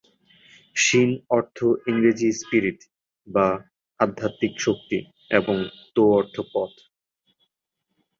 শিন অর্থ ইংরেজি স্পিরিট বা আধ্যাত্বিক শক্তি এবং তো অর্থ পথ।